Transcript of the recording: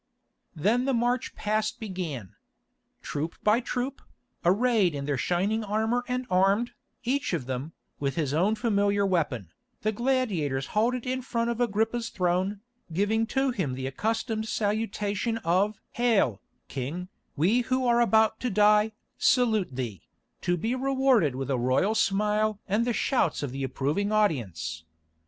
Then the march past began. Troop by troop, arrayed in their shining armour and armed, each of them, with his own familiar weapon, the gladiators halted in front of Agrippa's throne, giving to him the accustomed salutation of "Hail, King, we who are about to die, salute thee," to be rewarded with a royal smile and the shouts of the approving audience.